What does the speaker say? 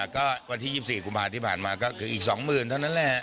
ก็วันที่๒๔กุมภาที่ผ่านมาก็คืออีก๒๐๐๐เท่านั้นแหละ